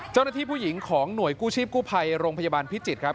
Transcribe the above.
เจ้าหน้าที่ผู้หญิงของหน่วยกู้ชีพกู้ภัยโรงพยาบาลพิจิตรครับ